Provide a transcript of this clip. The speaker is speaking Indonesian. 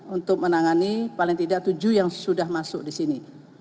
untuk menangani paling tidak tujuh yang sudah masuk di sini